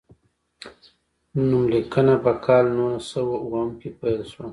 نوم لیکنه په کال نولس سوه اووم کې پیل شوه.